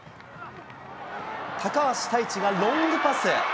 高橋汰地がロングパス。